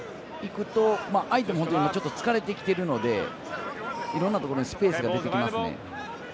相手も本当に疲れてきてるのでいろんなところにスペースが出てきますね。